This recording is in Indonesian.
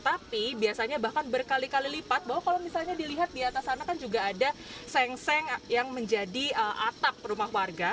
tapi biasanya bahkan berkali kali lipat bahwa kalau misalnya dilihat di atas sana kan juga ada seng seng yang menjadi atap rumah warga